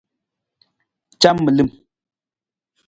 Camilim.